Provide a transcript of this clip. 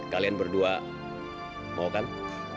kalian berdua mau kan